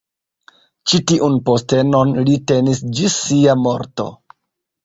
Ĉi tiun postenon li tenis ĝis sia morto.